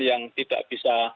yang tidak bisa